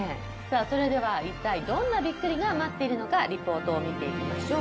それではいったいどんなびっくりが待っているのかリポートを見ていきましょう。